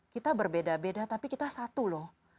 kita berbeda beda tapi kita satu loh